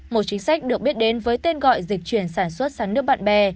một chính sách được biết đến với tên gọi dịch chuyển sản xuất sắn nước bạn bè